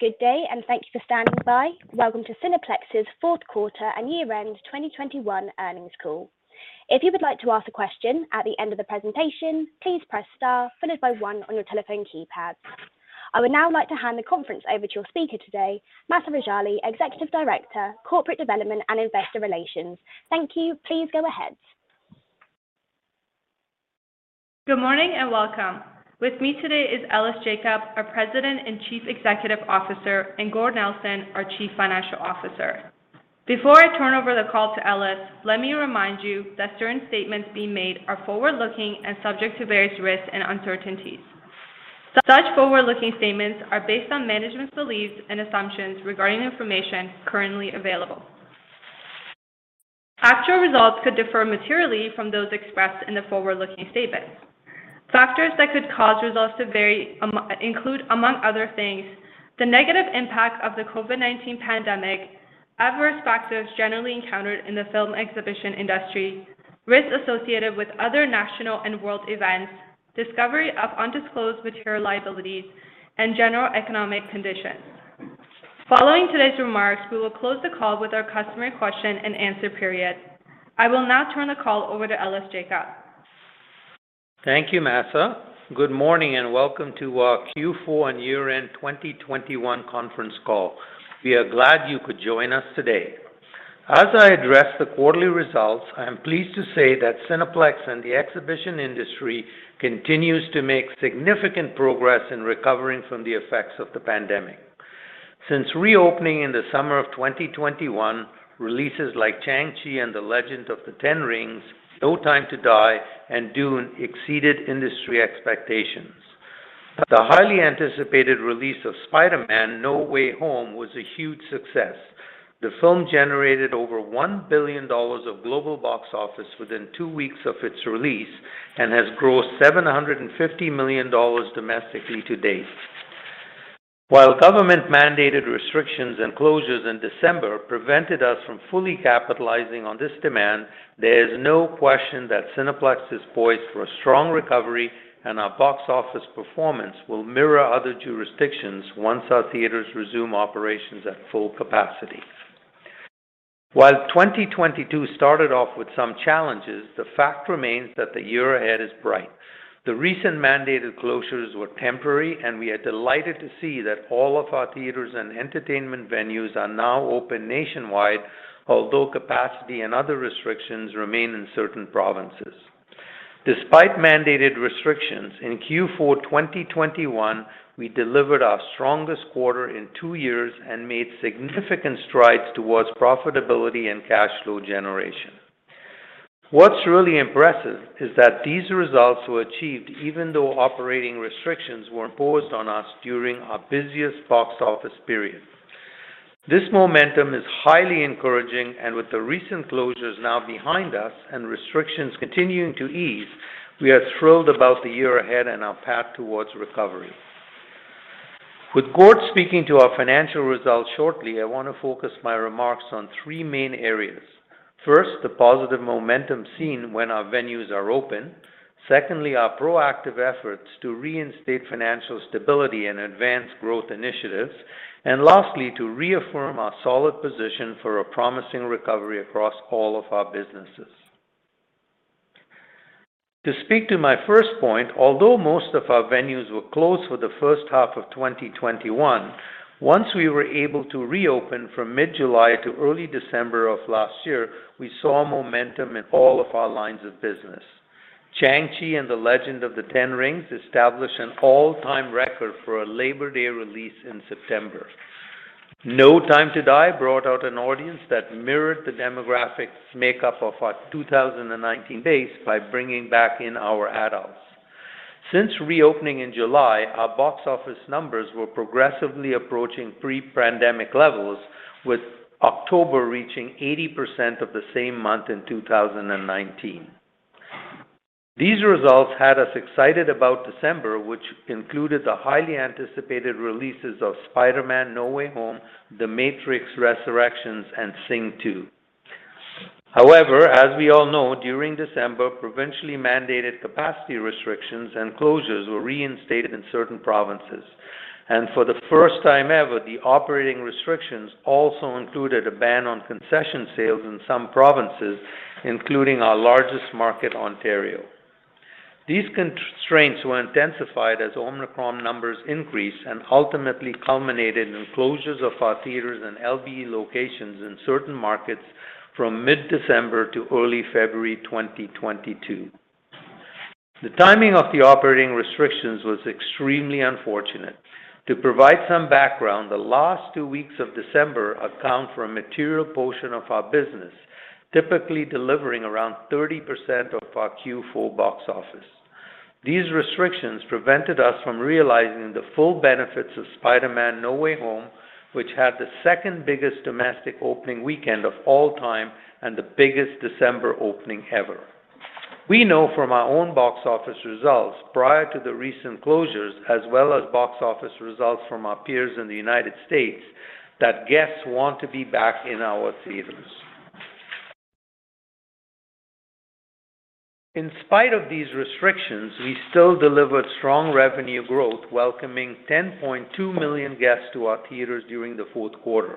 Good day, and thank you for standing by. Welcome to Cineplex's Q4 and year-end 2021 earnings call. If you would like to ask a question at the end of the presentation, please press star followed by one on your telephone keypad. I would now like to hand the conference over to your speaker today, Mahsa Rejali, Executive Director, Corporate Development and Investor Relations. Thank you. Please go ahead. Good morning and welcome. With me today is Ellis Jacob, our President and Chief Executive Officer, and Gord Nelson, our Chief Financial Officer. Before I turn over the call to Ellis, let me remind you that certain statements being made are forward-looking and subject to various risks and uncertainties. Such forward-looking statements are based on management's beliefs and assumptions regarding information currently available. Actual results could differ materially from those expressed in the forward-looking statements. Factors that could cause results to vary include, among other things, the negative impact of the COVID-19 pandemic, adverse factors generally encountered in the film exhibition industry, risks associated with other national and world events, discovery of undisclosed material liabilities, and general economic conditions. Following today's remarks, we will close the call with our question-and-answer period. I will now turn the call over to Ellis Jacob. Thank you, Mahsa. Good morning and welcome to our Q4 and year-end 2021 conference call. We are glad you could join us today. As I address the quarterly results, I am pleased to say that Cineplex and the exhibition industry continues to make significant progress in recovering from the effects of the pandemic. Since reopening in the summer of 2021, releases like Shang-Chi and the Legend of the Ten Rings, No Time to Die, and Dune exceeded industry expectations. The highly anticipated release of Spider-Man: No Way Home was a huge success. The film generated over $1 billion of global box office within two weeks of its release and has grossed $750 million domestically to date. While government-mandated restrictions and closures in December prevented us from fully capitalizing on this demand, there is no question that Cineplex is poised for a strong recovery, and our box office performance will mirror other jurisdictions once our theaters resume operations at full capacity. While 2022 started off with some challenges, the fact remains that the year ahead is bright. The recent mandated closures were temporary, and we are delighted to see that all of our theaters and entertainment venues are now open nationwide, although capacity and other restrictions remain in certain provinces. Despite mandated restrictions, in Q4 2021, we delivered our strongest quarter in two years and made significant strides towards profitability and cash flow generation. What's really impressive is that these results were achieved even though operating restrictions were imposed on us during our busiest box office period. This momentum is highly encouraging, and with the recent closures now behind us and restrictions continuing to ease, we are thrilled about the year ahead and our path towards recovery. With Gord speaking to our financial results shortly, I want to focus my remarks on three main areas. First, the positive momentum seen when our venues are open. Secondly, our proactive efforts to reinstate financial stability and advance growth initiatives. Lastly, to reaffirm our solid position for a promising recovery across all of our businesses. To speak to my first point, although most of our venues were closed for the first half of 2021, once we were able to reopen from mid-July to early December of last year, we saw momentum in all of our lines of business. Shang-Chi and the Legend of the Ten Rings established an all-time record for a Labor Day release in September. No Time to Die brought out an audience that mirrored the demographics makeup of our 2019 base by bringing back in our adults. Since reopening in July, our box office numbers were progressively approaching pre-pandemic levels, with October reaching 80% of the same month in 2019. These results had us excited about December, which included the highly anticipated releases of Spider-Man: No Way Home, The Matrix Resurrections, and Sing 2. However, as we all know, during December, provincially mandated capacity restrictions and closures were reinstated in certain provinces. For the first time ever, the operating restrictions also included a ban on concession sales in some provinces, including our largest market, Ontario. These constraints were intensified as Omicron numbers increased and ultimately culminated in closures of our theaters and LBE locations in certain markets from mid-December to early February 2022. The timing of the operating restrictions was extremely unfortunate. To provide some background, the last two weeks of December account for a material portion of our business, typically delivering around 30% of our Q4 box office. These restrictions prevented us from realizing the full benefits of Spider-Man: No Way Home, which had the second biggest domestic opening weekend of all time and the biggest December opening ever. We know from our own box office results prior to the recent closures, as well as box office results from our peers in the United States, that guests want to be back in our theaters. In spite of these restrictions, we still delivered strong revenue growth, welcoming 10.2 million guests to our theaters during the Q4.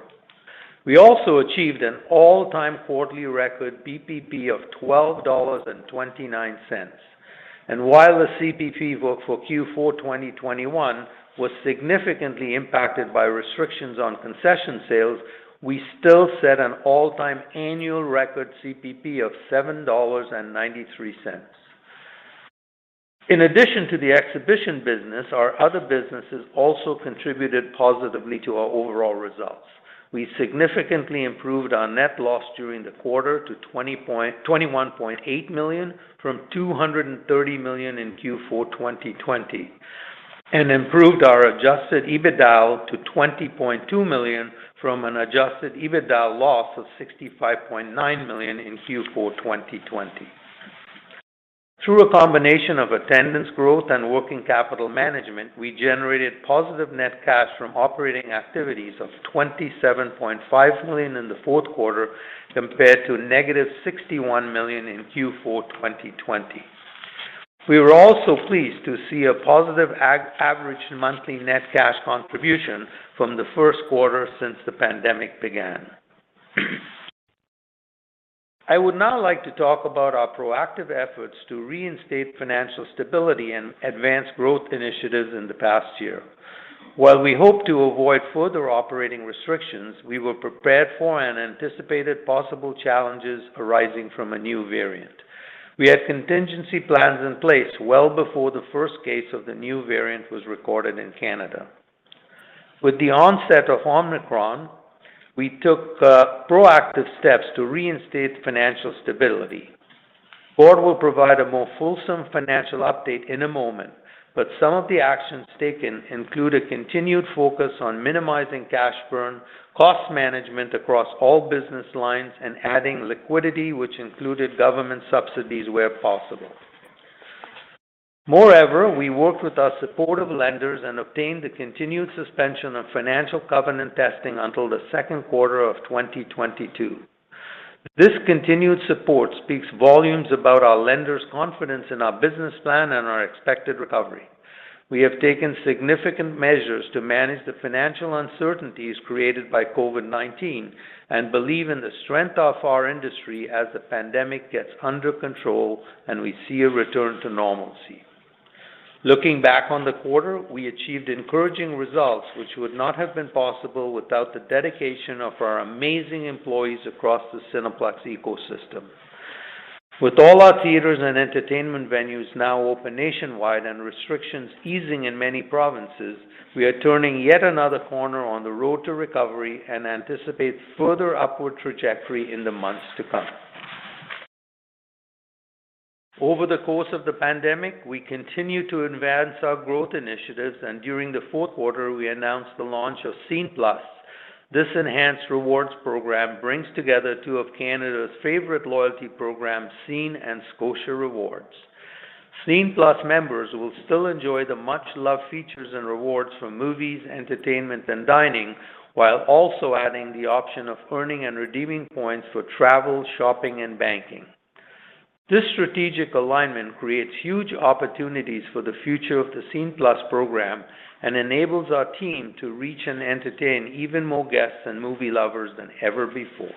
We also achieved an all-time quarterly record BPP of CAD 12.29. While the CPP for Q4 2021 was significantly impacted by restrictions on concession sales, we still set an all-time annual record CPP of 7.93 dollars. In addition to the exhibition business, our other businesses also contributed positively to our overall results. We significantly improved our net loss during the quarter to 21.8 million from 230 million in Q4 2020, and improved our adjusted EBITDA to 20.2 million from an adjusted EBITDA loss of 65.9 million in Q4 2020. Through a combination of attendance growth and working capital management, we generated positive net cash from operating activities of 27.5 million in the Q4 compared to a -61 million in Q4 2020. We were also pleased to see a positive average monthly net cash contribution from the Q1 since the pandemic began. I would now like to talk about our proactive efforts to reinstate financial stability and advance growth initiatives in the past year. While we hope to avoid further operating restrictions, we were prepared for and anticipated possible challenges arising from a new variant. We had contingency plans in place well before the first case of the new variant was recorded in Canada. With the onset of Omicron, we took proactive steps to reinstate financial stability. Gord will provide a more fulsome financial update in a moment, but some of the actions taken include a continued focus on minimizing cash burn, cost management across all business lines, and adding liquidity, which included government subsidies where possible. Moreover, we worked with our supportive lenders and obtained the continued suspension of financial covenant testing until the Q2 of 2022. This continued support speaks volumes about our lenders' confidence in our business plan and our expected recovery. We have taken significant measures to manage the financial uncertainties created by COVID-19 and believe in the strength of our industry as the pandemic gets under control and we see a return to normalcy. Looking back on the quarter, we achieved encouraging results, which would not have been possible without the dedication of our amazing employees across the Cineplex ecosystem. With all our theaters and entertainment venues now open nationwide and restrictions easing in many provinces, we are turning yet another corner on the road to recovery and anticipate further upward trajectory in the months to come. Over the course of the pandemic, we continue to advance our growth initiatives, and during the Q4, we announced the launch of Scene+. This enhanced rewards program brings together two of Canada's favorite loyalty programs, SCENE and Scotia Rewards. Scene+ members will still enjoy the much-loved features and rewards from movies, entertainment, and dining, while also adding the option of earning and redeeming points for travel, shopping, and banking. This strategic alignment creates huge opportunities for the future of the Scene+ program and enables our team to reach and entertain even more guests and movie lovers than ever before.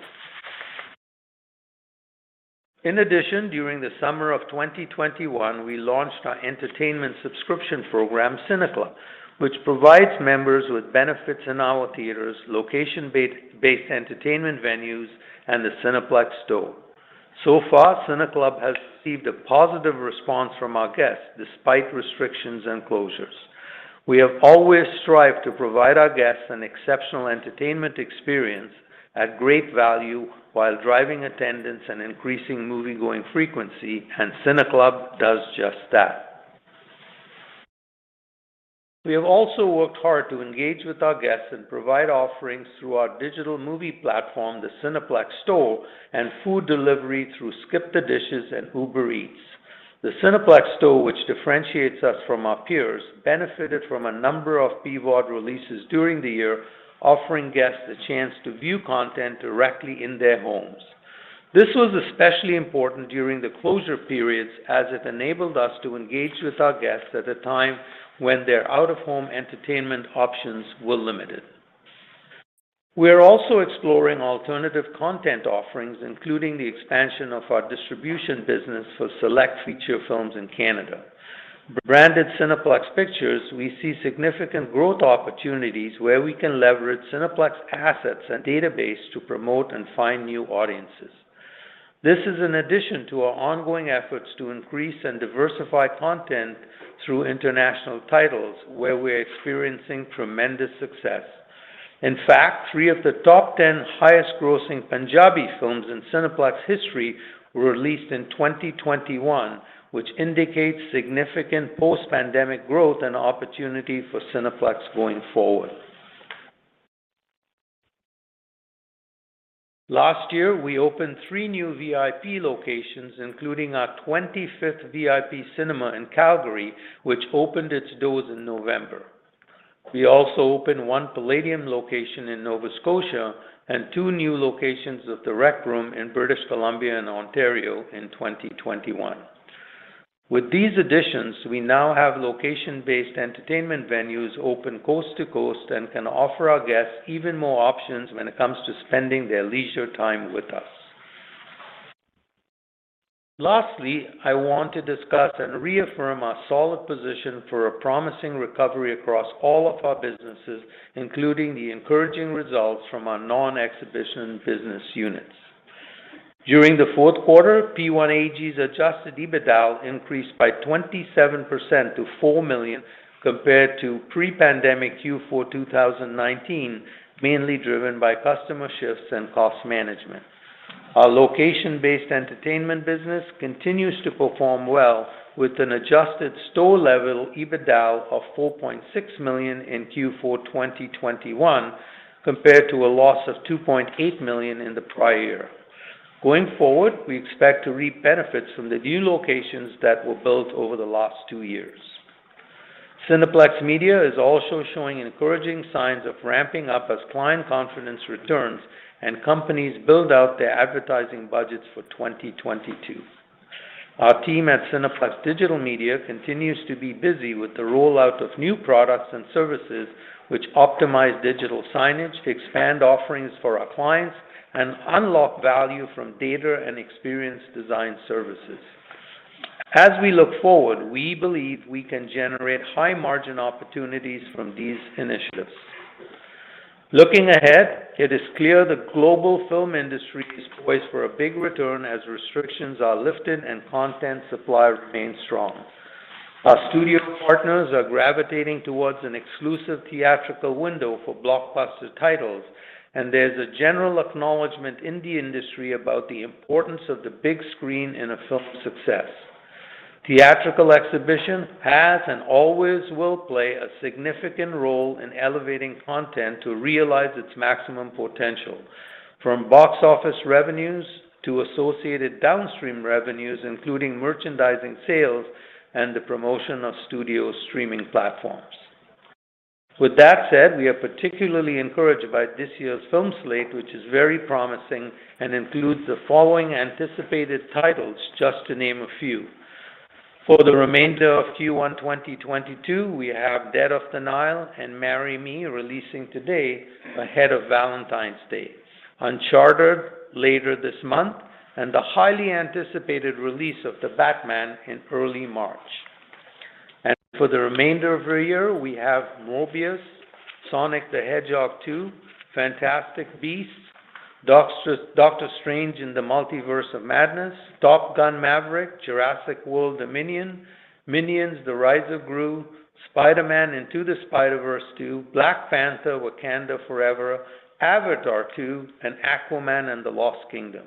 In addition, during the summer of 2021, we launched our entertainment subscription program, CineClub, which provides members with benefits in our theaters, location-based entertainment venues, and the Cineplex Store. So far, CineClub has received a positive response from our guests despite restrictions and closures. We have always strived to provide our guests an exceptional entertainment experience at great value while driving attendance and increasing moviegoing frequency, and CineClub does just that. We have also worked hard to engage with our guests and provide offerings through our digital movie platform, the Cineplex Store, and food delivery through SkipTheDishes and Uber Eats. The Cineplex Store, which differentiates us from our peers, benefited from a number of VOD releases during the year, offering guests the chance to view content directly in their homes. This was especially important during the closure periods as it enabled us to engage with our guests at a time when their out-of-home entertainment options were limited. We are also exploring alternative content offerings, including the expansion of our distribution business for select feature films in Canada. Branded Cineplex Pictures, we see significant growth opportunities where we can leverage Cineplex assets and database to promote and find new audiences. This is in addition to our ongoing efforts to increase and diversify content through international titles where we're experiencing tremendous success. In fact, three of the top 10 highest-grossing Punjabi films in Cineplex history were released in 2021, which indicates significant post-pandemic growth and opportunity for Cineplex going forward. Last year, we opened three new VIP locations, including our 25th VIP cinema in Calgary, which opened its doors in November. We also opened one Playdium location in Nova Scotia and two new locations of The Rec Room in British Columbia and Ontario in 2021. With these additions, we now have location-based entertainment venues open coast to coast and can offer our guests even more options when it comes to spending their leisure time with us. Lastly, I want to discuss and reaffirm our solid position for a promising recovery across all of our businesses, including the encouraging results from our non-exhibition business units. During the Q4, P1AG's adjusted EBITDA increased by 27% to 4 million compared to pre-pandemic Q4 2019, mainly driven by customer shifts and cost management. Our location-based entertainment business continues to perform well with an adjusted store-level EBITDA of 4.6 million in Q4 2021 compared to a loss of 2.8 million in the prior year. Going forward, we expect to reap benefits from the new locations that were built over the last two years. Cineplex Media is also showing encouraging signs of ramping up as client confidence returns and companies build out their advertising budgets for 2022. Our team at Cineplex Digital Media continues to be busy with the rollout of new products and services which optimize digital signage to expand offerings for our clients and unlock value from data and experience design services. As we look forward, we believe we can generate high-margin opportunities from these initiatives. Looking ahead, it is clear the global film industry is poised for a big return as restrictions are lifted and content supply remains strong. Our studio partners are gravitating towards an exclusive theatrical window for blockbuster titles, and there's a general acknowledgement in the industry about the importance of the big screen in a film's success. Theatrical exhibition has and always will play a significant role in elevating content to realize its maximum potential, from box office revenues to associated downstream revenues, including merchandising sales and the promotion of studio streaming platforms. With that said, we are particularly encouraged by this year's film slate, which is very promising and includes the following anticipated titles, just to name a few. For the remainder of Q1 2022, we have Death on the Nile and Marry Me releasing today ahead of Valentine's Day, Uncharted later this month, and the highly anticipated release of The Batman in early March. For the remainder of the year, we have Morbius, Sonic the Hedgehog 2, Fantastic Beasts: The Secrets of Dumbledore, Doctor Strange in the Multiverse of Madness, Top Gun: Maverick, Jurassic World Dominion, Minions: The Rise of Gru, Spider-Man: Across the Spider-Verse, Black Panther: Wakanda Forever, Avatar: The Way of Water, and Aquaman and the Lost Kingdom.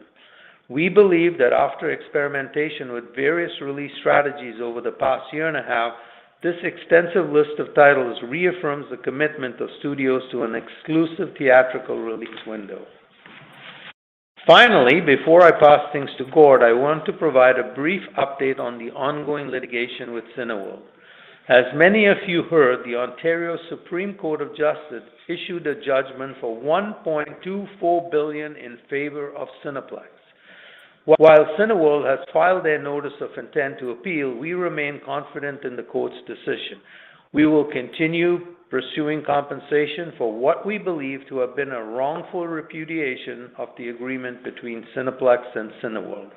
We believe that after experimentation with various release strategies over the past year and a half, this extensive list of titles reaffirms the commitment of studios to an exclusive theatrical release window. Finally, before I pass things to Gord, I want to provide a brief update on the ongoing litigation with Cineworld. As many of you heard, the Ontario Superior Court of Justice issued a judgment for 1.24 billion in favor of Cineplex. While Cineworld has filed their notice of intent to appeal, we remain confident in the court's decision. We will continue pursuing compensation for what we believe to have been a wrongful repudiation of the agreement between Cineplex and Cineworld.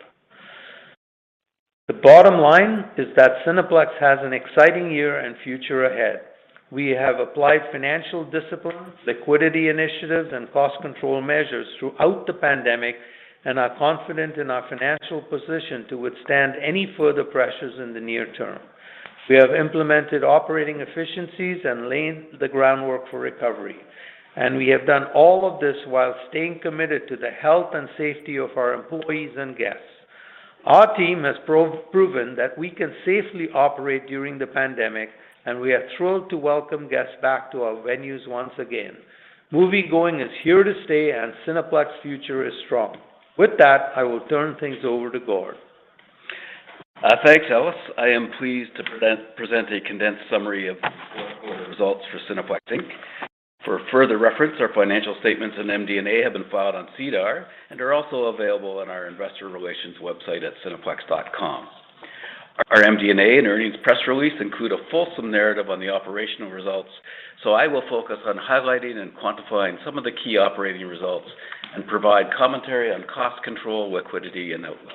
The bottom line is that Cineplex has an exciting year and future ahead. We have applied financial discipline, liquidity initiatives, and cost control measures throughout the pandemic and are confident in our financial position to withstand any further pressures in the near term. We have implemented operating efficiencies and laid the groundwork for recovery. We have done all of this while staying committed to the health and safety of our employees and guests. Our team has proven that we can safely operate during the pandemic, and we are thrilled to welcome guests back to our venues once again. Moviegoing is here to stay, and Cineplex's future is strong. With that, I will turn things over to Gord. Thanks, Ellis. I am pleased to present a condensed summary of the Q4 results for Cineplex Inc. For further reference, our financial statements and MD&A have been filed on SEDAR and are also available on our investor relations website at cineplex.com. Our MD&A and earnings press release include a fulsome narrative on the operational results, so I will focus on highlighting and quantifying some of the key operating results and provide commentary on cost control, liquidity, and outlook.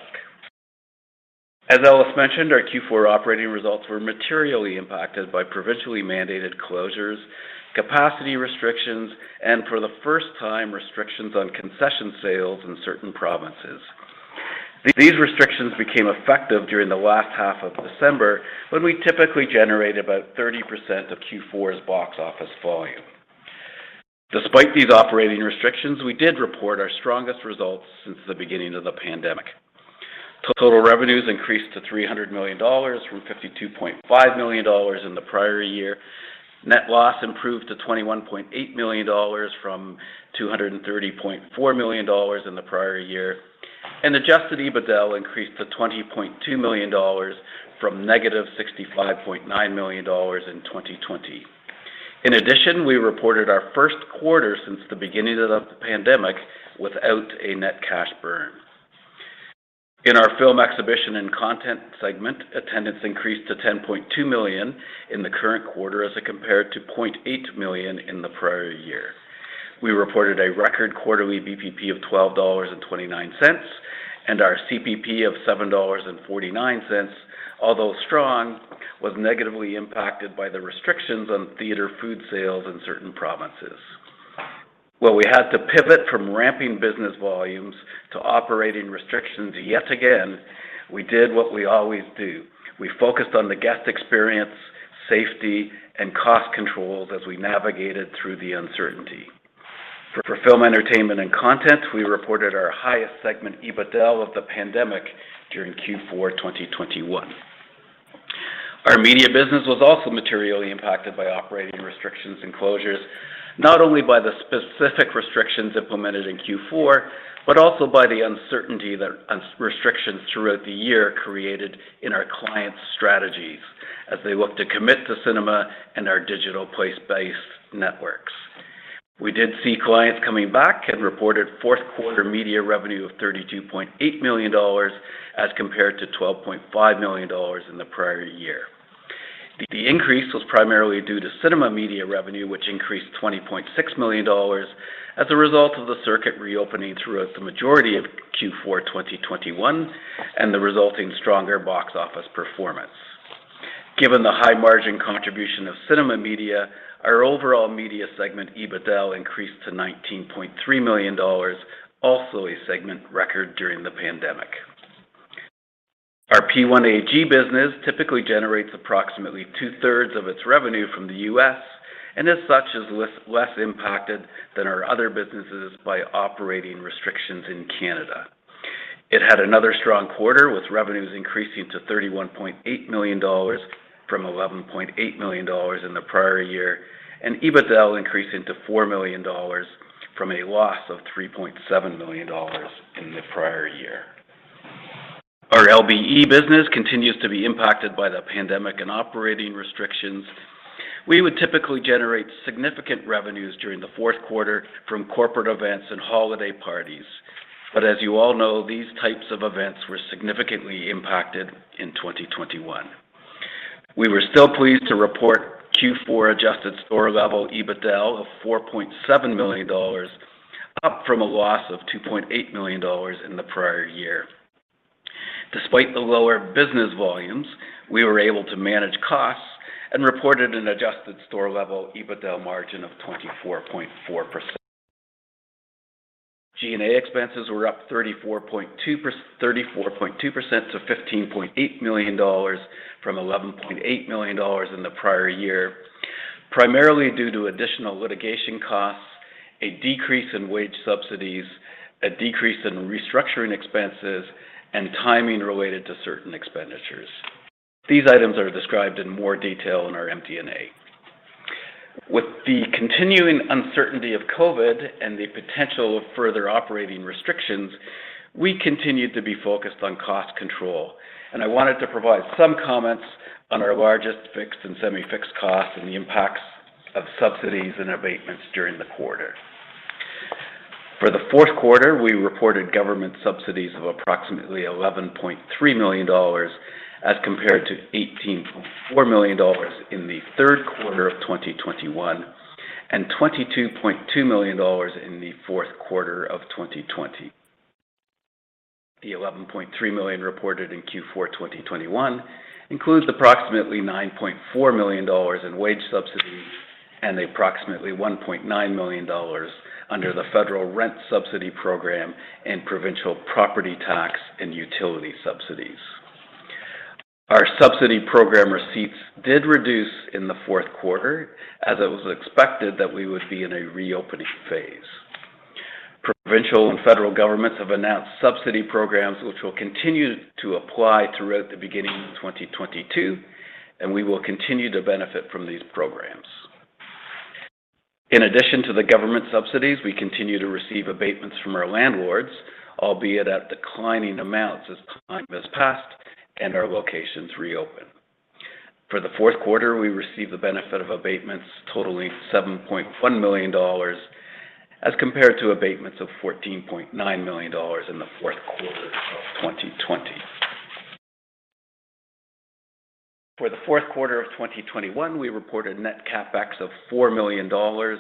As Ellis mentioned, our Q4 operating results were materially impacted by provincially mandated closures, capacity restrictions, and for the first time, restrictions on concession sales in certain provinces. These restrictions became effective during the last half of December, when we typically generate about 30% of Q4's box office volume. Despite these operating restrictions, we did report our strongest results since the beginning of the pandemic. Total revenues increased to 300 million dollars from 52.5 million dollars in the prior year. Net loss improved to 21.8 million dollars from 230.4 million dollars in the prior year. Adjusted EBITDA increased to 20.2 million dollars from -65.9 million dollars in 2020. In addition, we reported our Q1 since the beginning of the pandemic without a net cash burn. In our film exhibition and content segment, attendance increased to 10.2 million in the current quarter as compared to 0.8 million in the prior year. We reported a record quarterly BPP of 12.29 dollars, and our CPP of 7.49 dollars, although strong, was negatively impacted by the restrictions on theater food sales in certain provinces. While we had to pivot from ramping business volumes to operating restrictions yet again, we did what we always do. We focused on the guest experience, safety, and cost controls as we navigated through the uncertainty. For film entertainment and content, we reported our highest segment EBITDA of the pandemic during Q4 2021. Our media business was also materially impacted by operating restrictions and closures, not only by the specific restrictions implemented in Q4, but also by the uncertainty that restrictions throughout the year created in our clients' strategies as they look to commit to cinema and our digital place-based networks. We did see clients coming back and reported Q4 media revenue of 32.8 million dollars as compared to 12.5 million dollars in the prior year. The increase was primarily due to cinema media revenue, which increased 20.6 million dollars as a result of the circuit reopening throughout the majority of Q4 2021 and the resulting stronger box office performance. Given the high margin contribution of cinema media, our overall media segment EBITDA increased to 19.3 million dollars, also a segment record during the pandemic. Our P1AG business typically generates approximately two-thirds of its revenue from the U.S. and as such is less impacted than our other businesses by operating restrictions in Canada. It had another strong quarter with revenues increasing to 31.8 million dollars from 11.8 million dollars in the prior year, and EBITDA increasing to 4 million dollars from a loss of 3.7 million dollars in the prior year. Our LBE business continues to be impacted by the pandemic and operating restrictions. We would typically generate significant revenues during the fourth quarter from corporate events and holiday parties. As you all know, these types of events were significantly impacted in 2021. We were still pleased to report Q4 adjusted store-level EBITDA of 4.7 million dollars, up from a loss of 2.8 million dollars in the prior year. Despite the lower business volumes, we were able to manage costs and reported an adjusted store-level EBITDA margin of 24.4%. SG&A expenses were up 34.2% to 15.8 million dollars from 11.8 million dollars in the prior year, primarily due to additional litigation costs, a decrease in wage subsidies, a decrease in restructuring expenses, and timing related to certain expenditures. These items are described in more detail in our MD&A. With the continuing uncertainty of COVID and the potential of further operating restrictions, we continued to be focused on cost control. I wanted to provide some comments on our largest fixed and semi-fixed costs and the impacts of subsidies and abatements during the quarter. For the Q4, we reported government subsidies of approximately 11.3 million dollars as compared to 18.4 million dollars in the Q3 of 2021 and 22.2 million dollars in the Q4 of 2020. The 11.3 million reported in Q4 2021 includes approximately 9.4 million dollars in wage subsidies and approximately 1.9 million dollars under the federal rent subsidy program and provincial property tax and utility subsidies. Our subsidy program receipts did reduce in the Q4 as it was expected that we would be in a reopening phase. Provincial and federal governments have announced subsidy programs which will continue to apply throughout the beginning of 2022, and we will continue to benefit from these programs. In addition to the government subsidies, we continue to receive abatements from our landlords, albeit at declining amounts as time has passed and our locations reopen. For the Q4, we received the benefit of abatements totaling 7.1 million dollars as compared to abatements of 14.9 million dollars in the Q4 of 2020. For the Q4 of 2021, we reported net CapEx of 4 million dollars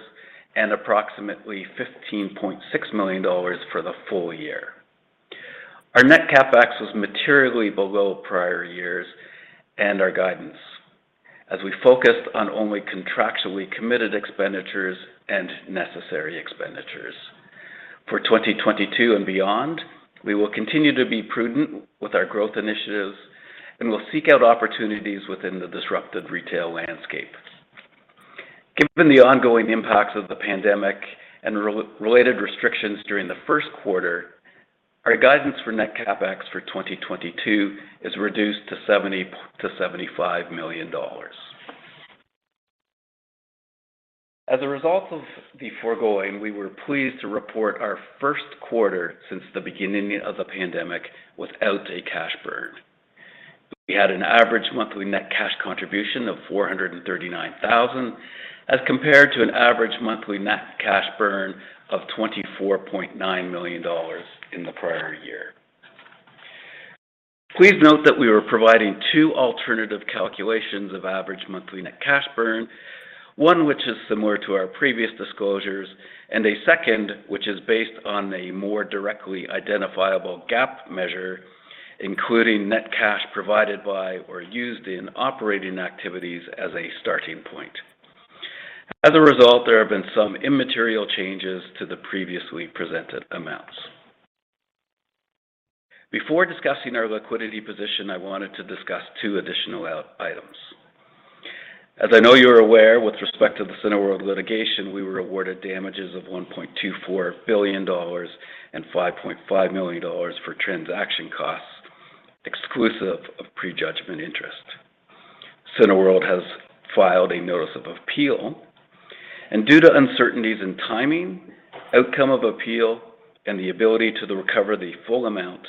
and approximately 15.6 million dollars for the full year. Our net CapEx was materially below prior years and our guidance as we focused on only contractually committed expenditures and necessary expenditures. For 2022 and beyond, we will continue to be prudent with our growth initiatives, and we'll seek out opportunities within the disrupted retail landscape. Given the ongoing impacts of the pandemic and COVID-related restrictions during the Q1, our guidance for net CapEx for 2022 is reduced to 70 to 75 million. As a result of the foregoing, we were pleased to report our Q1 since the beginning of the pandemic without a cash burn. We had an average monthly net cash contribution of 439,000, as compared to an average monthly net cash burn of 24.9 million dollars in the prior year. Please note that we are providing two alternative calculations of average monthly net cash burn. One which is similar to our previous disclosures, and a second which is based on a more directly identifiable gap measure, including net cash provided by or used in operating activities as a starting point. As a result, there have been some immaterial changes to the previously presented amounts. Before discussing our liquidity position, I wanted to discuss two additional out-items. As I know you're aware, with respect to the Cineworld litigation, we were awarded damages of 1.24 billion dollars and 5.5 million dollars for transaction costs exclusive of prejudgment interest. Cineworld has filed a notice of appeal, and due to uncertainties in timing, outcome of appeal, and the ability to recover the full amount,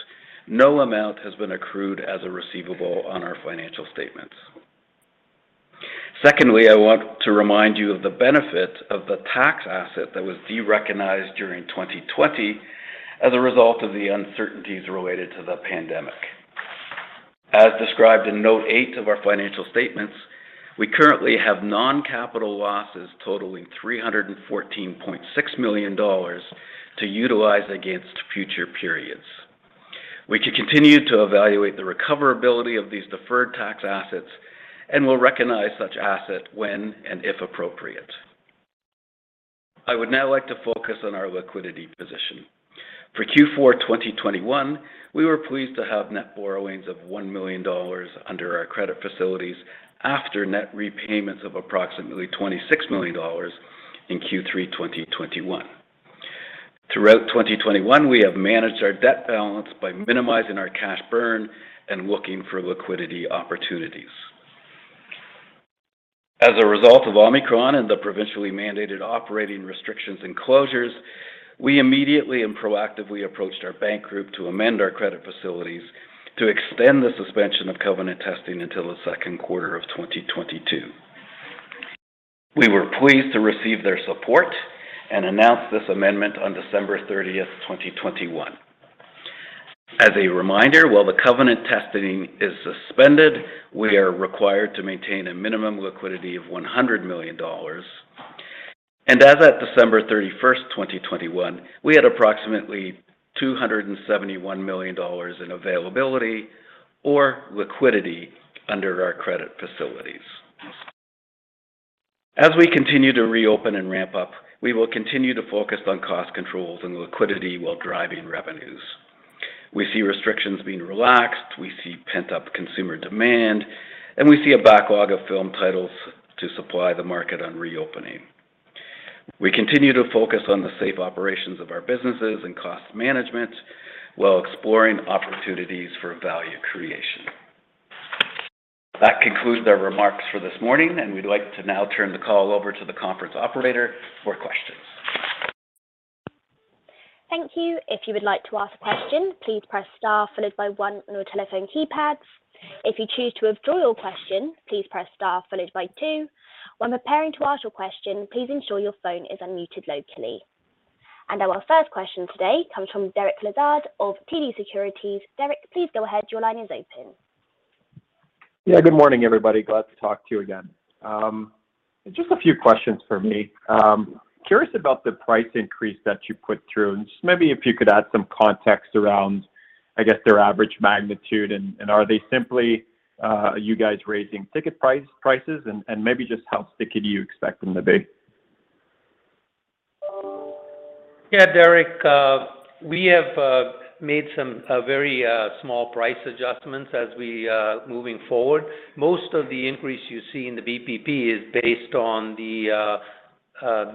no amount has been accrued as a receivable on our financial statements. Secondly, I want to remind you of the benefit of the tax asset that was derecognized during 2020 as a result of the uncertainties related to the pandemic. As described in note eight of our financial statements, we currently have non-capital losses totaling 314.6 million dollars to utilize against future periods. We can continue to evaluate the recoverability of these deferred tax assets, and will recognize such asset when and if appropriate. I would now like to focus on our liquidity position. For Q4 2021, we were pleased to have net borrowings of 1 million dollars under our credit facilities after net repayments of approximately 26 million dollars in Q3 2021. Throughout 2021, we have managed our debt balance by minimizing our cash burn and looking for liquidity opportunities. As a result of Omicron and the provincially mandated operating restrictions and closures, we immediately and proactively approached our bank group to amend our credit facilities to extend the suspension of covenant testing until the Q2 of 2022. We were pleased to receive their support and announce this amendment on 30 December 2021. As a reminder, while the covenant testing is suspended, we are required to maintain a minimum liquidity of 100 million dollars. As of 31 December 2021, we had approximately 271 million dollars in availability or liquidity under our credit facilities. As we continue to reopen and ramp up, we will continue to focus on cost controls and liquidity while driving revenues. We see restrictions being relaxed, we see pent-up consumer demand, and we see a backlog of film titles to supply the market on reopening. We continue to focus on the safe operations of our businesses and cost management while exploring opportunities for value creation. That concludes their remarks for this morning, and we'd like to now turn the call over to the conference operator for questions. Thank you. If you would like to ask a question, please press star followed by one on your telephone keypads. If you choose to withdraw your question, please press star followed by two. When preparing to ask your question, please ensure your phone is unmuted locally. Our first question today comes from Derek Lessard of TD Securities. Derek, please go ahead. Your line is open. Yeah. Good morning, everybody glad to talk to you again. Just a few questions for me. Curious about the price increase that you put through, and just maybe if you could add some context around, I guess, their average magnitude and are they simply you guys raising ticket prices? And maybe just how sticky you expect them to be. Yeah, Derek, we have made some very small price adjustments as we move forward. Most of the increase you see in the BPP is based on the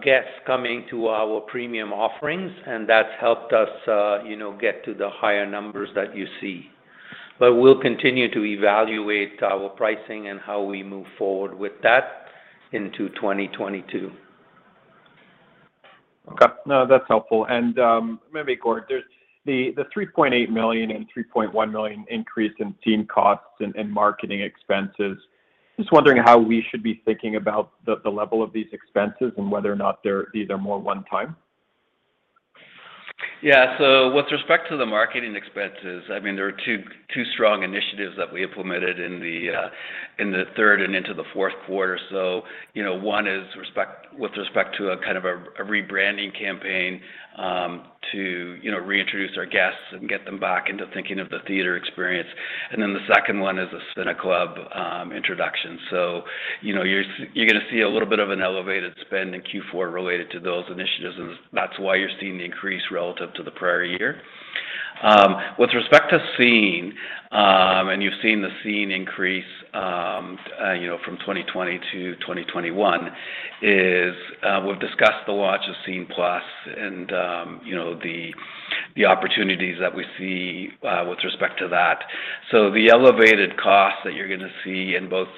guests coming to our premium offerings, and that's helped us, you know, get to the higher numbers that you see. We'll continue to evaluate our pricing and how we move forward with that into 2022. Okay no, that's helpful. Maybe Gord, there's the 3.8 million and 3.1 million increase in Scene+ costs and marketing expenses. Just wondering how we should be thinking about the level of these expenses and whether or not they're either more one-time? Yeah. With respect to the marketing expenses, I mean, there are two strong initiatives that we implemented in the Q3 and into the Q4. You know, one is with respect to a kind of a rebranding campaign to reintroduce our guests and get them back into thinking of the theater experience. The second one is the CineClub introduction. You know, you're gonna see a little bit of an elevated spend in Q4 related to those initiatives that's why you're seeing the increase relative to the prior year. With respect to Scene+ and you've seen the Scene increase. You know, from 2020 to 2021 is, we've discussed the launch of Scene+ and, you know, the opportunities that we see with respect to that. The elevated cost that you're gonna see in both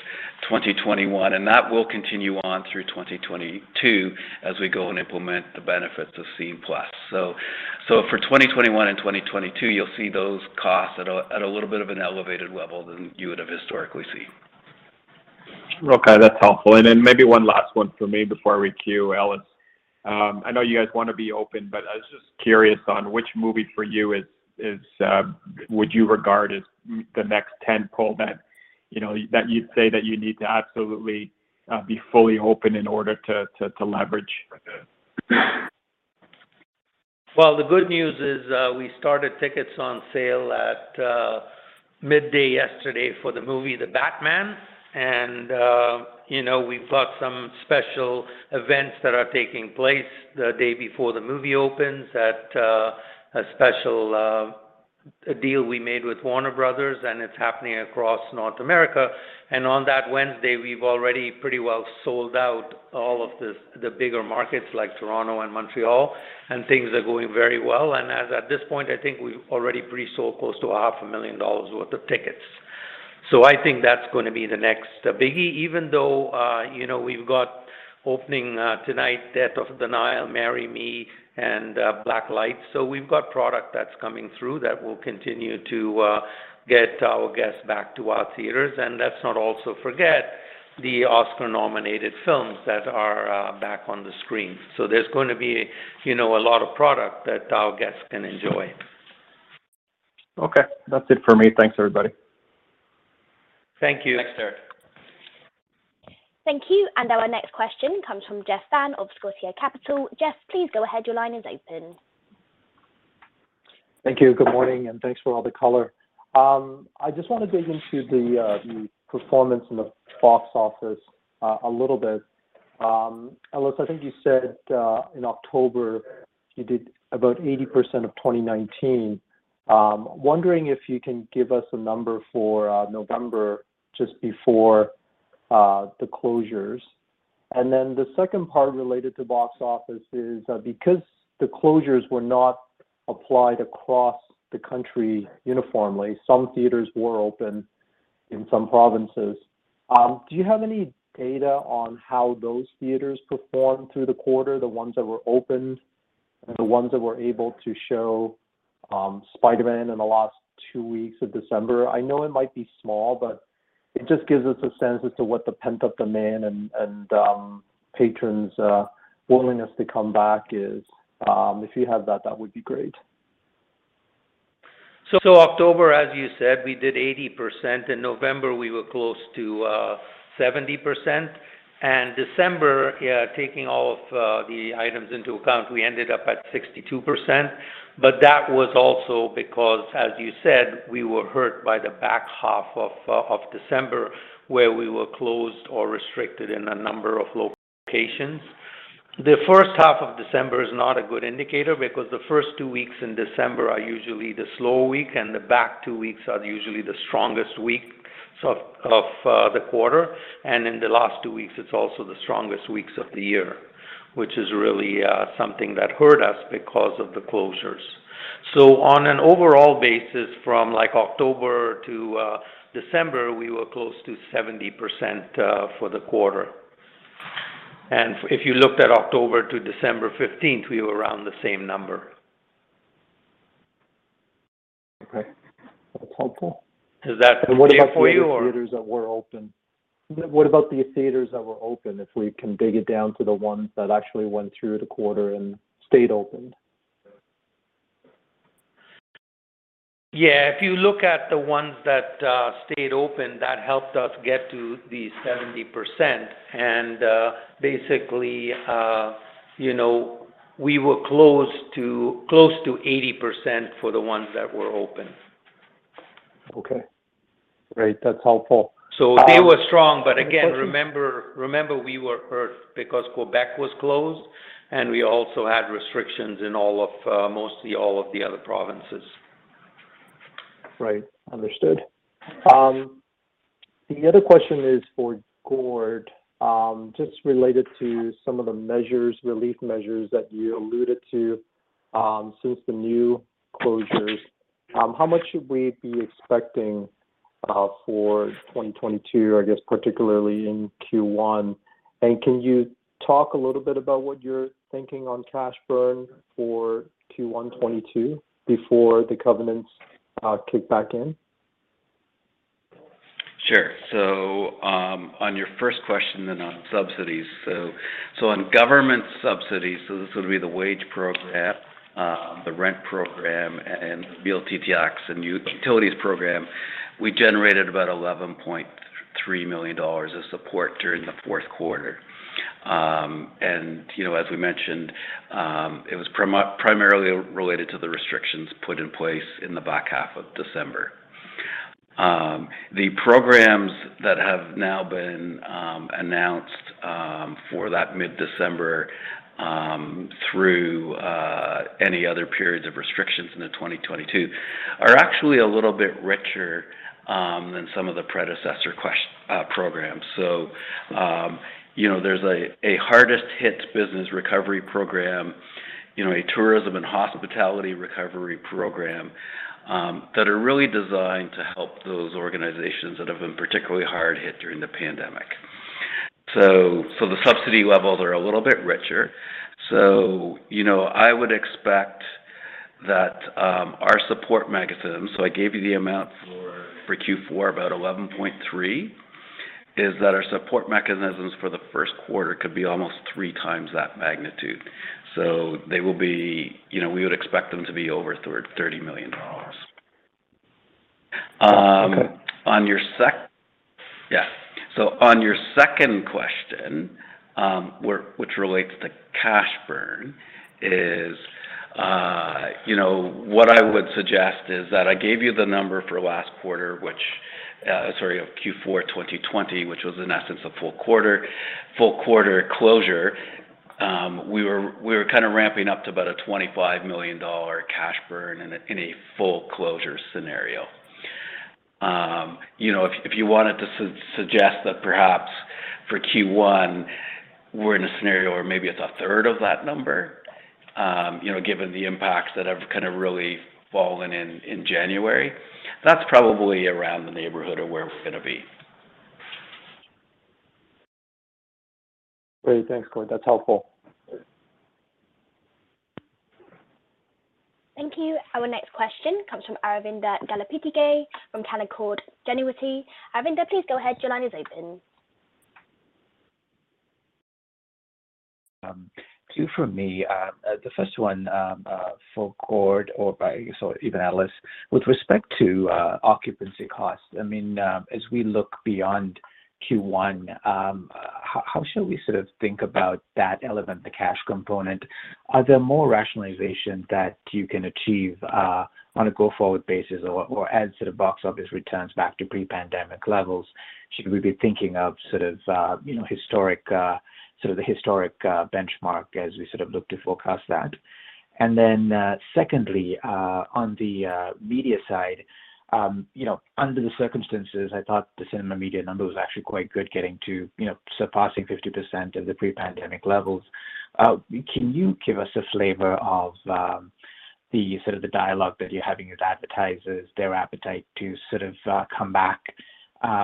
2021, and that will continue on through 2022 as we go and implement the benefits of Scene+. For 2021 and 2022 you'll see those costs at a little bit of an elevated level than you would have historically seen. Okay, that's helpful maybe one last one for me before we queue Ellis. I know you guys wanna be open, but I was just curious on which movie for you would you regard as the next tent pole that? you know, that you'd say that you need to absolutely be fully open in order to leverage the- Well, the good news is, we started tickets on sale at mid day yesterday for the movie The Batman. You know, we've got some special events that are taking place the day before the movie opens at a special deal we made with Warner Bros., and it's happening across North America. On that Wednesday, we've already pretty well sold out all of the bigger markets like Toronto and Montreal, and things are going very welland as at this point, I think we've already pre-sold close to half a million CAD. I think that's gonna be the next biggie even though, you know, we've got opening tonight, Death on the Nile, Marry Me and Blacklight so we've got product that's coming through that will continue to get our guests back to our theaters and let's not also forget the Oscar-nominated films that are back on the screen. There's gonna be, you know, a lot of product that our guests can enjoy. Okay. That's it for me. Thanks, everybody. Thank you. Thank you. Our next question comes from Jeff Fan of Scotiabank Capital. Jeff, please go ahead. Your line is open. Thank you. Good morning, and thanks for all the color. I just wanna dig into the performance in the box office a little bit. Ellis, I think you said in October you did about 80% of 2019. Wondering if you can give us a number for November just before the closures. The second part related to box office is because the closures were not applied across the country uniformly, some theaters were open in some provinces. Do you have any data on how those theaters performed through the quarter, the ones that were opened? and the ones that were able to show Spider-Man in the last two weeks of December? I know it might be small, but it just gives us a sense as to what the pent-up demand and patrons' willingness to come back is. If you have that would be great. October, as you said, we did 80% in November, we were close to 70% and December, taking all of the items into account, we ended up at 62%. That was also because, as you said, we were hurt by the back half of December, where we were closed or restricted in a number of locations. The first half of December is not a good indicator because the first two weeks in December are usually the slow week, and the back two weeks are usually the strongest weeks of the quarter. In the last two weeks, it's also the strongest weeks of the year, which is really something that hurt us because of the closures. On an overall basis from like October to December, we were close to 70% for the quarter. If you looked at October to 15 December, we were around the same number. Okay. That's helpful. Does that- What about the theaters that were open, if we can break it down to the ones that actually went through the quarter and stayed open? Yeah. If you look at the ones that stayed open, that helped us get to the 70%. Basically, you know, we were close to 80% for the ones that were open. Okay. Great. That's helpful. They were strong but again, remember we were hurt because Quebec was closed, and we also had restrictions in mostly all of the other provinces. Right. Understood. The other question is for Gord, just related to some of the measures, relief measures that you alluded to, since the new closures. How much should we be expecting for 2022? I guess, particularly in Q1? Can you talk a little bit about what you're thinking on cash burn for Q1 2022 before the covenants kick back in? Sure. On your first question then on subsidies. On government subsidies, this would be the wage program, the rent program and [unintelligible] tax and utilities program, we generated about 11.3 million dollars of support during the Q4. You know, as we mentioned, it was primarily related to the restrictions put in place in the back half of December. The programs that have now been announced for that mid-December through any other periods of restrictions into 2022 are actually a little bit richer than some of the predecessor programs. You know, there's a Hardest-Hit Business Recovery Program, you know, a Tourism and Hospitality Recovery Program, that are really designed to help those organizations that have been particularly hard hit during the pandemic. The subsidy levels are a little bit richer. You know, I would expect that our support mechanisms. I gave you the amount for Q4, about 11.3 million, and our support mechanisms for the Q1 could be almost 3 times that magnitude. They will be. You know, we would expect them to be over CAD 30 million. Okay. On your second question, which relates to cash burn, is, you know, what I would suggest is that I gave you the number for last quarter, which, sorry, of Q4 2020, which was in essence a full quarter closure. We were kind of ramping up to about 25 million dollar cash burn in a full closure scenario. You know, if you wanted to suggest that perhaps for Q1 we're in a scenario where maybe it's a third of that number, you know, given the impacts that have kind of really fallen in January, that's probably around the neighborhood of where we're gonna be. Great. Thanks, Gord. That's helpful. Thank you. Our next question comes from Aravinda Galappatthige from Canaccord Genuity. Aravinda, please go ahead. Your line is open. Two from me. The first one, for Gord or Ellis. With respect to occupancy costs, I mean, as we look beyond Q1, how should we sort of think about that element, the cash component? Are there more rationalization that you can achieve on a go-forward basis or, as sort of box office returns back to pre-pandemic levels? Should we be thinking of sort of, you know, historic benchmark as we sort of look to forecast that? Then, secondly, on the media side, you know, under the circumstances, I thought the cinema media number was actually quite good getting to, you know, surpassing 50% of the pre-pandemic levels. Can you give us a flavor of? the sort of the dialogue that you're having with advertisers, their appetite to sort of come back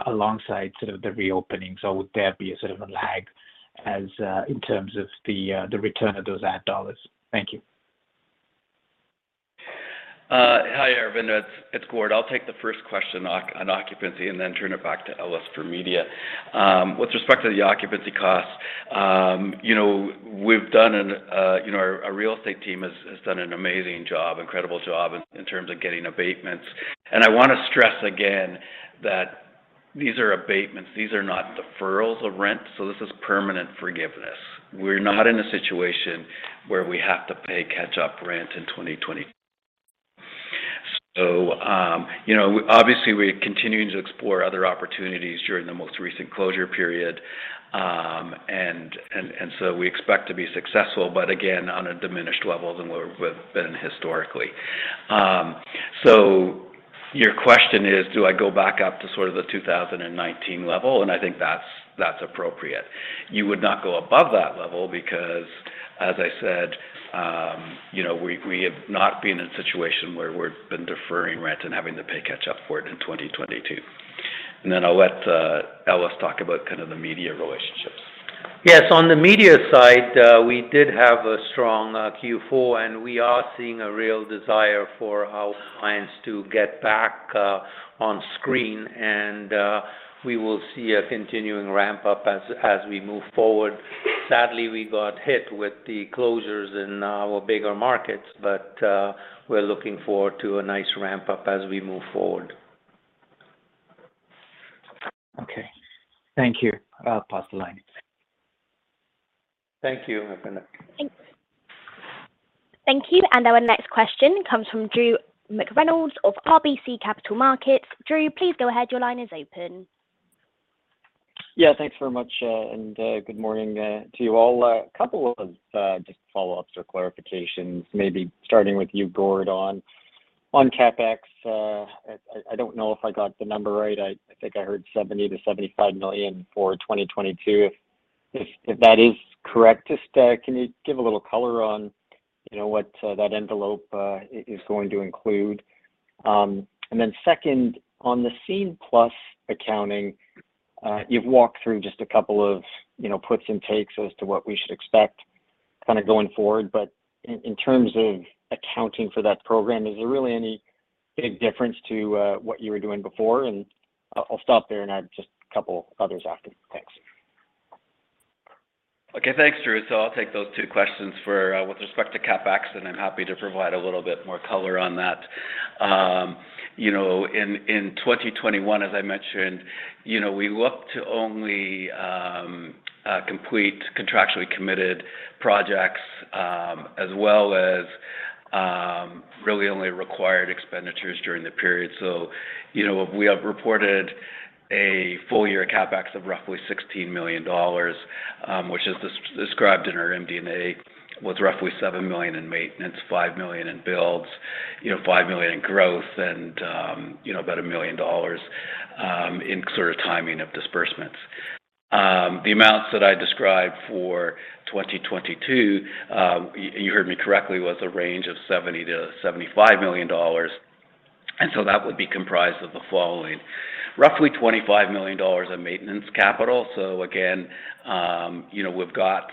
alongside sort of the reopening? Would there be a sort of a lag as in terms of the return of those ad dollars? Thank you. Hi Aravinda. It's Gord i'll take the first question on occupancy and then turn it back to Ellis for media. With respect to the occupancy costs, you know, our real estate team has done an amazing job, incredible job in terms of getting abatements. I wanna stress again that these are abatements these are not deferrals of rent. This is permanent forgiveness. We're not in a situation where we have to pay catch-up rent in 2020. You know, obviously, we're continuing to explore other opportunities during the most recent closure period. And so we expect to be successful, but again, on a diminished level than we've been historically. Your question is, do I go back up to sort of the 2019 level? I think that's appropriate. You would not go above that level because, as I said, you know, we have not been in a situation where we have been deferring rent and having to pay catch up for it in 2022. Then I'll let Ellis talk about kind of the media relationships. Yes. On the media side, we did have a strong Q4, and we are seeing a real desire for our clients to get back on screen, and we will see a continuing ramp-up as we move forward. Sadly, we got hit with the closures in our bigger markets, but we're looking forward to a nice ramp-up as we move forward. Okay. Thank you. I'll pass the line. Thank you, Aravinda. Thanks. Thank you. Our next question comes from Drew McReynolds of RBC Capital Markets. Drew, please go ahead. Your line is open. Yeah. Thanks very much, and good morning to you all a couple of just follow-ups or clarifications, maybe starting with you, Gord, on CapEx. I don't know if I got the number right i think I heard 70 to 75 million for 2022. If that is correct, just can you give a little color on? you know, what that envelope is going to include? Then second, on the Scene+ accounting, you've walked through just a couple of, you know, puts and takes as to what we should expect kind of going forward but, in terms of accounting for that program, is there really any big difference to what you were doing before? I'll stop there and add just a couple others after. Thanks. Okay. Thanks, Drew. I'll take those two questions for, with respect to CapEx, and I'm happy to provide a little bit more color on that. You know, in 2021, as I mentioned, you know, we look to only complete contractually committed projects as well as really only required expenditures during the period. You know, we have reported a full year CapEx of roughly 16 million dollars, which is described in our MD&A with roughly 7 million in maintenance, 5 million in builds, you know, 5 million in growth, and, you know, about 1 million dollars in sort of timing of disbursements. The amounts that I described for 2022, you heard me correctly, was a range of 70 to 75 million. That would be comprised of the following. Roughly 25 million dollars of maintenance capital so again, you know, we've got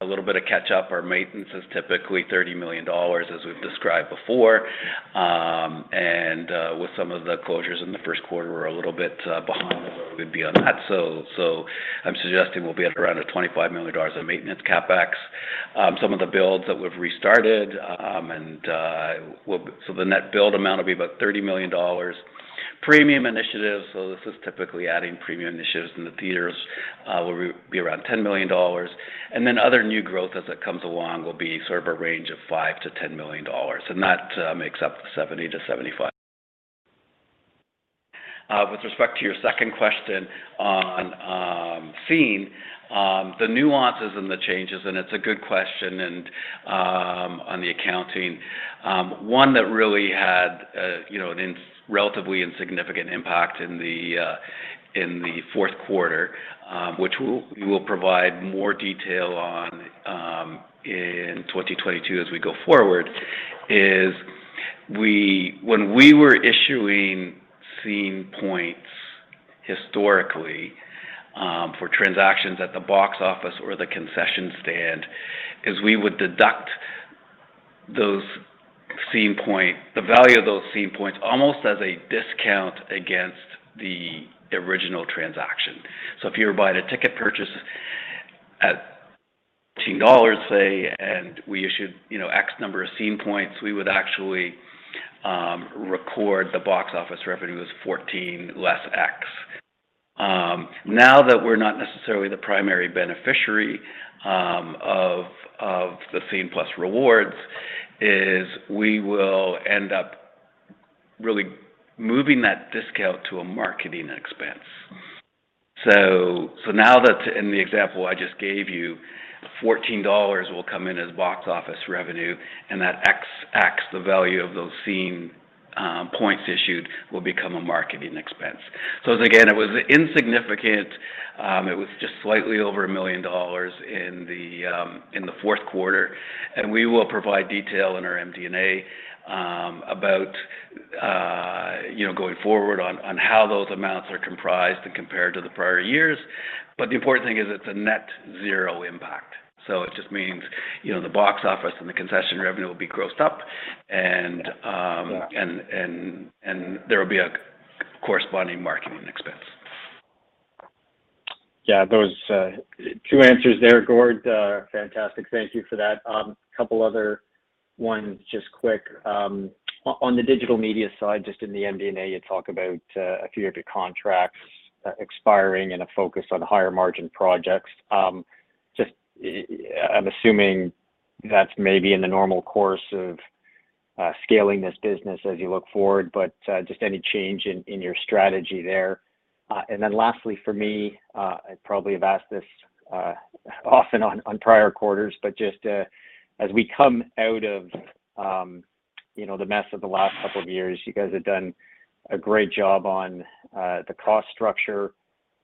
a little bit of catch up our maintenance is typically 30 million dollars, as we've described before. With some of the closures in the Q1, we're a little bit behind where we'd be on that. I'm suggesting we'll be at around 25 million dollars of maintenance CapEx. Some of the builds that we've restarted, so the net build amount will be about 30 million dollars. Premium initiatives, so this is typically adding premium initiatives in the theaters, will be around 10 million dollars. That makes up the 70 to 75 million. With respect to your second question on Scene+, the nuances and the changes, and it's a good question, and on the accounting. One that really had a, you know, a relatively insignificant impact in the Q4, which we will provide more detail on in 2022 as we go forward, is when we were issuing Scene+ points historically for transactions at the box office or the concession stand. We would deduct the value of those Scene+ points almost as a discount against the original transaction. So if you were buying a ticket purchase at, say, [unintelligible] and we issued, you know, ScreenX number of Scene+ points, we would actually record the box office revenue as 14 less ScreenX. Now that we're not necessarily the primary beneficiary of the Scene+ rewards, we will end up really moving that discount to a marketing expense. Now that in the example I just gave you, 14 dollars will come in as box office revenue, and the value of those Scene+ points issued will become a marketing expense. Again, it was insignificant. It was just slightly over 1 million dollars in the Q4. We will provide detail in our MD&A about you know, going forward on how those amounts are comprised and compared to the prior years. The important thing is it's a net zero impact. It just means, you know, the box office and the concession revenue will be grossed up and there will be a corresponding marketing expense. Yeah. Those two answers there, Gord, fantastic thank you for that. A couple other ones, just quick. On the digital media side, just in the MD&A, you talk about a few of your contracts expiring and a focus on higher margin projects. Just, I'm assuming that's maybe in the normal course of scaling this business as you look forward, but just any change in your strategy there? Lastly for me, I probably have asked this often on prior quarters, but just, as we come out of, you know, the mess of the last couple of years, you guys have done a great job on the cost structure.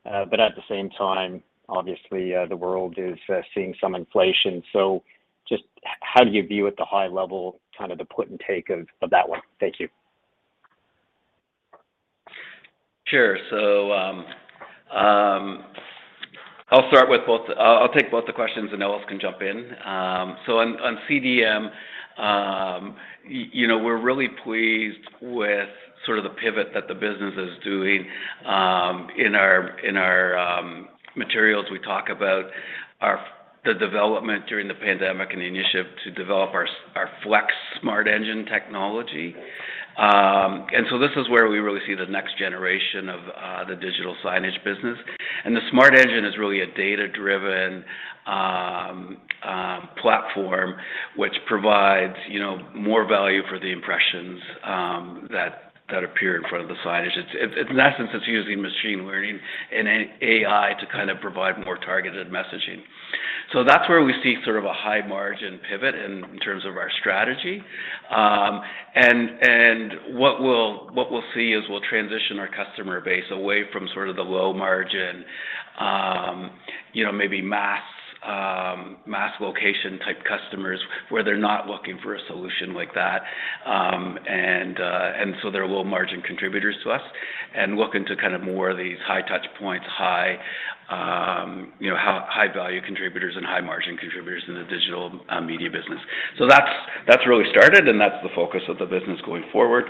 At the same time, obviously, the world is seeing some inflation. Just how do you view at the high level kind of the put and take of that one? Thank you. Sure. I'll take both the questions and Ellis can jump in. On CDM, you know, we're really pleased with sort of the pivot that the business is doing. In our materials, we talk about the development during the pandemic and the initiative to develop our FLEX SmartEngine technology. This is where we really see the next generation of the digital signage business. The SmartEngine is really a data-driven platform which provides, you know, more value for the impressions that appear in front of the signage it's, in essence, using machine learning and AI to kind of provide more targeted messaging. That's where we see sort of a high margin pivot in terms of our strategy. What we'll see is we'll transition our customer base away from sort of the low margin, you know, maybe mass location type customers where they're not looking for a solution like that. They're low margin contributors to us and look into kind of more of these high touch points, high, you know, high value contributors and high margin contributors in the digital media business. That's really started, and that's the focus of the business going forward.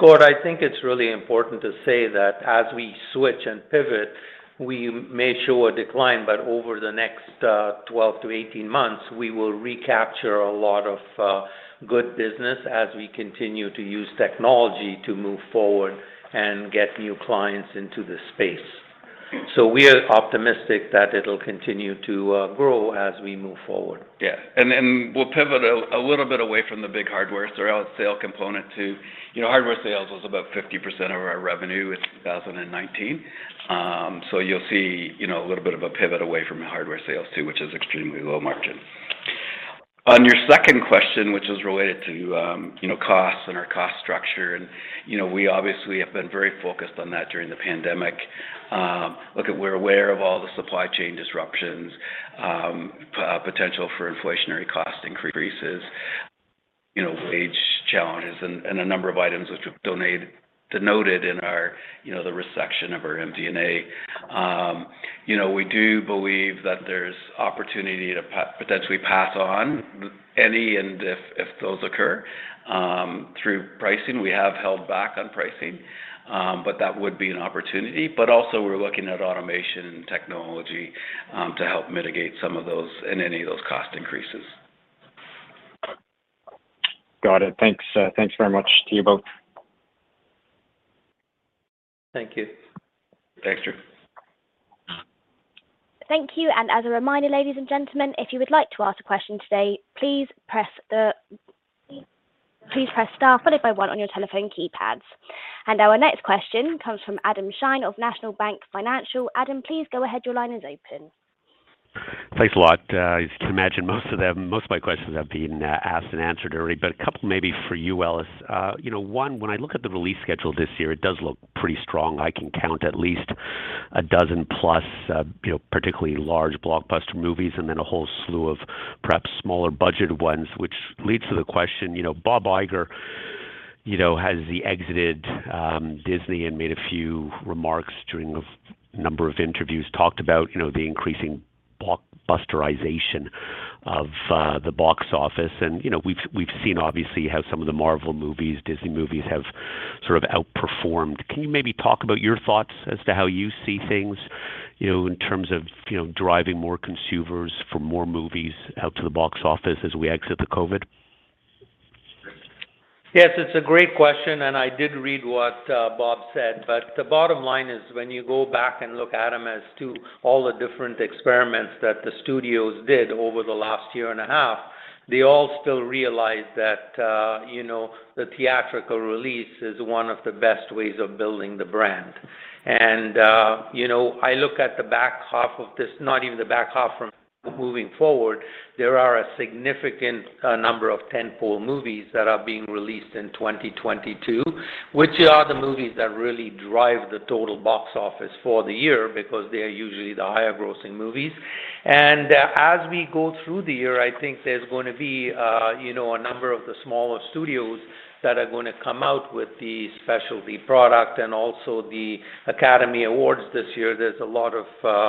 Gord, I think it's really important to say that as we switch and pivot, we may show a decline, but over the next 12 to 18 months, we will recapture a lot of good business as we continue to use technology to move forward and get new clients into the space. We are optimistic that it'll continue to grow as we move forward. We'll pivot a little bit away from the big hardware sale component to hardware sales was about 50% of our revenue in 2019. You'll see a little bit of a pivot away from the hardware sales too, which is extremely low margin. On your second question, which was related to costs and our cost structure and we obviously have been very focused on that during the pandemic. Look, we're aware of all the supply chain disruptions, potential for inflationary cost increases, wage challenges and a number of items which we've denoted in the risk section of our MD&A. We do believe that there's opportunity to potentially pass on any and if those occur through pricing we have held back on pricing, but that would be an opportunity but also we're looking at automation technology to help mitigate some of those and any of those cost increases. Got it. Thanks. Thanks very much to you both. Thank you. Thanks, Drew. Thank you. As a reminder, ladies and gentlemen, if you would like to ask a question today, please press star followed by one on your telephone keypads. Our next question comes from Adam Shine of National Bank Financial. Adam, please go ahead. Your line is open. Thanks a lot. As you can imagine, most of my questions have been asked and answered already, but a couple maybe for you, Ellis. You know, one, when I look at the release schedule this year, it does look pretty strong. I can count at least a dozen plus, you know, particularly large blockbuster movies and then a whole slew of perhaps smaller budget ones, which leads to the question, you know, Bob Iger- You know, as he exited, Disney and made a few remarks during a number of interviews, talked about, you know, the increasing Blockbusterization of the box office and you know, we've seen obviously how some of the Marvel movies, Disney movies have sort of outperformed. Can you maybe talk about your thoughts as to how you see things? you know, in terms of, you know, driving more consumers for more movies out to the box office as we exit the COVID? Yes, it's a great question, and I did read what Bob said but the bottom line is when you go back and look at them as to all the different experiments that the studios did over the last year and a half, they all still realize that, you know, the theatrical release is one of the best ways of building the brand. You know, I look at the back half of this, not even the back half from moving forward, there are a significant number of tent-pole movies that are being released in 2022, which are the movies that really drive the total box office for the year because they are usually the higher grossing movies. As we go through the year, I think there's gonna be, you know, a number of the smaller studios that are gonna come out with the specialty product and also the Academy Awards this year there's a lot of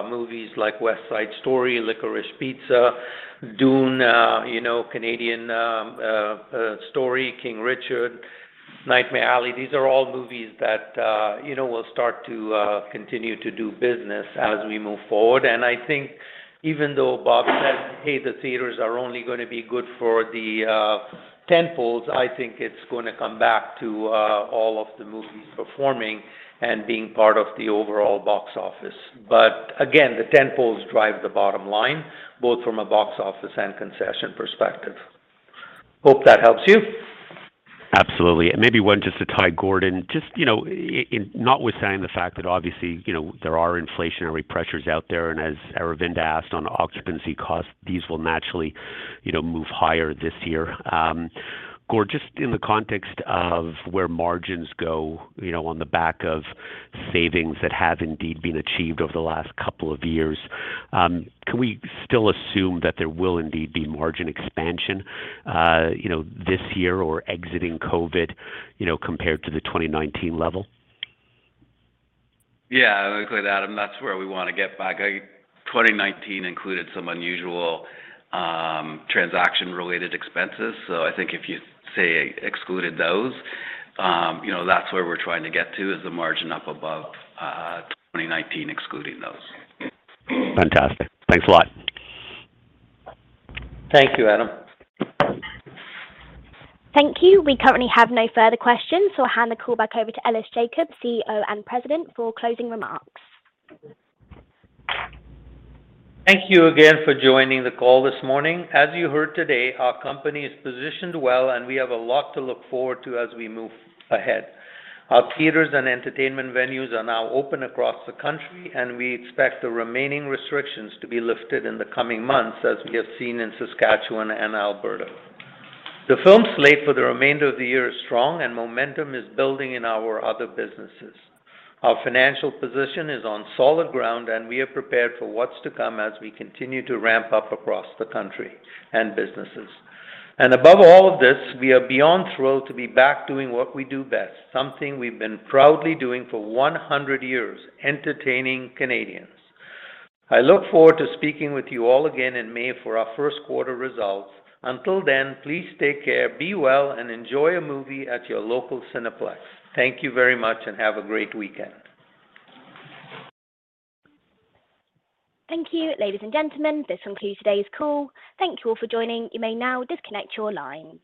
movies like West Side Story, Licorice Pizza, Dune, you know, King Richard- -Nightmare Alley these are all movies that, you know, will start to continue to do business as we move forward and i think even though Bob Iger said, "Hey, the theaters are only gonna be good for the tent-poles," I think it's gonna come back to all of the movies performing and being part of the overall box office. Again, the tent-poles drive the bottom line, both from a box office and concession perspective. Hope that helps you. Absolutely maybe one just to tie Gord just, you know, notwithstanding the fact that obviously, you know, there are inflationary pressures out there, and as Aravinda asked on occupancy costs, these will naturally, you know, move higher this year. Gord, just in the context of where margins go, you know, on the back of savings that have indeed been achieved over the last couple of years, can we still assume that there will indeed be margin expansion, you know, this year or exiting COVID, you know, compared to the 2019 level? Yeah, I agree with Adam that's where we wanna get back. 2019 included some unusual, transaction-related expenses so i think if you, say, excluded those, you know, that's where we're trying to get to is the margin up above, 2019, excluding those. Fantastic. Thanks a lot. Thank you, Adam. Thank you. We currently have no further questions, so I'll hand the call back over to Ellis Jacob, CEO and President, for closing remarks. Thank you again for joining the call this morning. As you heard today, our company is positioned well, and we have a lot to look forward to as we move ahead. Our theaters and entertainment venues are now open across the country, and we expect the remaining restrictions to be lifted in the coming months, as we have seen in Saskatchewan and Alberta. The film slate for the remainder of the year is strong and momentum is building in our other businesses. Our financial position is on solid ground, and we are prepared for what's to come as we continue to ramp up across the country and businesses. Above all of this, we are beyond thrilled to be back doing what we do best, something we've been proudly doing for 100 years, entertaining Canadians. I look forward to speaking with you all again in May for our Q1 results. Until then, please take care, be well, and enjoy a movie at your local Cineplex. Thank you very much and have a great weekend. Thank you, ladies and gentlemen this concludes today's call. Thank you all for joining. You may now disconnect your lines.